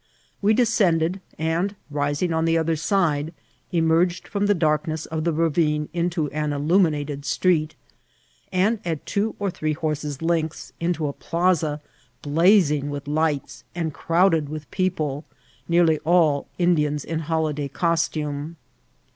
We descttided, and, rising on the other side, em^ged firom the darkness of the ravine into an illuminated street, and, at two or three horses' lengths, into a plaaa bla^ zing with li^ts and crowded with pe<^e, nearly all Indians in holyday costume.